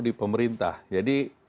di pemerintah jadi